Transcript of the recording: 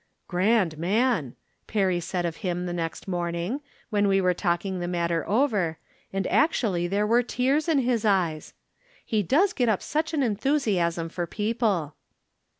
" Grand man !" Perry said of him the next morning, when we were talking the matter over, and actually there were tears in his eyes ! He does get up such an enthusiasm for people.